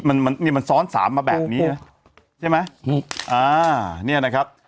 มันมันนี่มันซ้อนสามมาแบบนี้นะใช่ไหมอ่าเนี่ยนะครับ